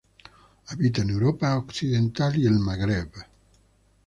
Habita en Europa occidental y el Magreb.